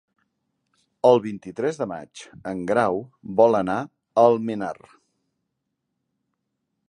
El vint-i-tres de maig en Grau vol anar a Almenar.